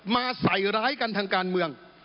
มาใส่ร้ายกันทางการเมือง